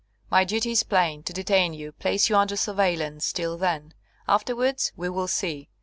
My duty is plain: to detain you, place you under surveillance till then. Afterwards, we will see.